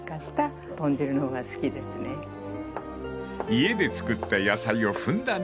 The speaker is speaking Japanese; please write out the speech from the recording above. ［家で作った野菜をふんだんに使う］